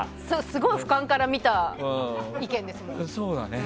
すごい俯瞰から見た意見ですもんね。